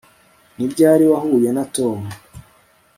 ni ryari wahuye na tom